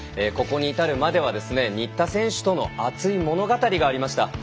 ここに至るまでは新田選手との熱い物語がありました。